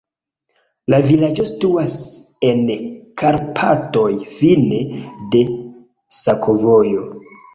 La vilaĝo situas en Karpatoj, fine de sakovojo.